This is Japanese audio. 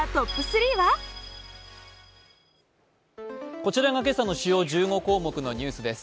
こちらが今朝の主要１５項目のニュースです。